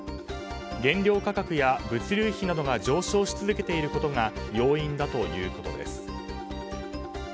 原料価格や物流費などが上昇し続けていることが要因だということです。